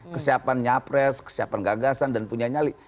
kesiapan nyapres kesiapan gagasan dan punya nyali